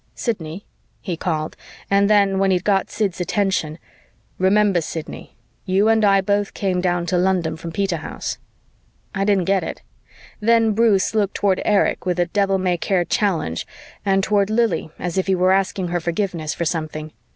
"Sidney," he called, and then, when he'd got Sid's attention, "Remember, Sidney, you and I both came down to London from Peterhouse." I didn't get it. Then Bruce looked toward Erich with a devil may care challenge and toward Lili as if he were asking her forgiveness for something.